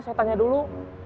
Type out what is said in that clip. saya tanya dulu